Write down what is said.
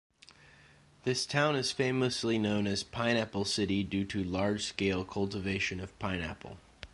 This town is famously known as "Pineapple City" due to large-scale cultivation of pineapple.